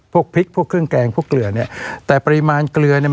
พวกพริกพวกเครื่องแกงพวกเกลือเนี้ยแต่ปริมาณเกลือเนี่ย